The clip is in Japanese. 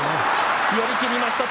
寄り切りました